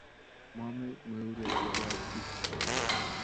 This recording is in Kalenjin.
Momei meure sebati